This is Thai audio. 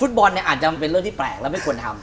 บอลเนี่ยอาจจะเป็นเรื่องที่แปลกและไม่ควรทำ